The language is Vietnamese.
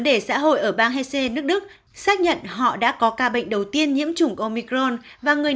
đề xã hội ở bang hessee nước đức xác nhận họ đã có ca bệnh đầu tiên nhiễm chủng omicron và người